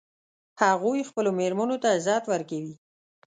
هغوی خپلو میرمنو ته عزت ورکوي